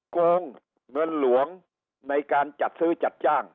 โกงเงินหลวงในการจัดซื้อจัดจ้าง